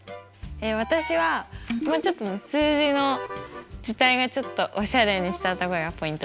私はもうちょっと数字の字体がおしゃれにしたとこがポイントです。